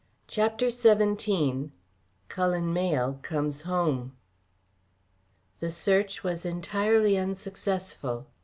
CHAPTER XVII CULLEN MAYLE COMES HOME The search was entirely unsuccessful.